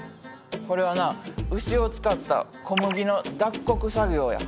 これはな牛を使った小麦の脱穀作業や。